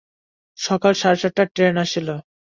সকাল সাড়ে সাতটায় ট্রেন আসিল।